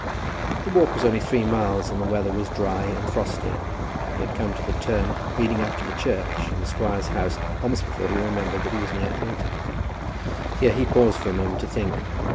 The walk was only three miles and the weather was dry and frosty, and he had come to the turn leading up to the church and the squire's house almost before he remembered that he was near Allington. Here he paused for a moment to think.